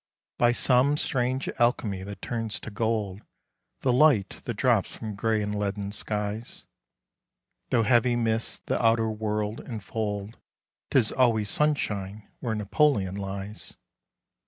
BY some strange alchemy that turns to gold The light that drops from gray and leaden skies, Though heavy mists the outer world enfold, 'Tis always sunshine where Napoleon lies.